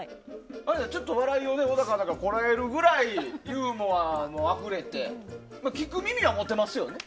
ちょっと笑いを小高アナがこらえるぐらいユーモアあふれて聞く耳は持てますよね。